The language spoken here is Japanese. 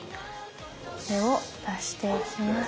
これを出していきます。